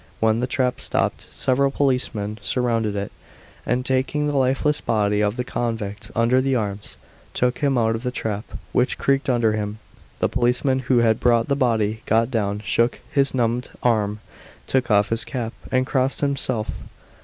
When the trap stopped, several policemen surrounded it, and taking the lifeless body of the convict under the arms, took him out of the trap, which creaked under him. The policeman who had brought the body got down, shook his numbed arm, took off his cap, and crossed himself.